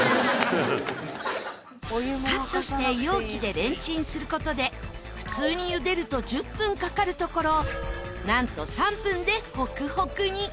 カットして容器でレンチンする事で普通に茹でると１０分かかるところなんと３分でホクホクに。